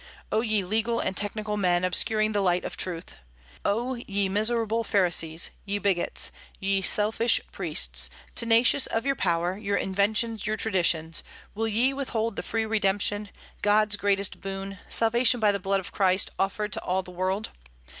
O ye legal and technical men, obscuring the light of truth! O ye miserable Pharisees, ye bigots, ye selfish priests, tenacious of your power, your inventions, your traditions, will ye withhold the free redemption, God's greatest boon, salvation by the blood of Christ, offered to all the world?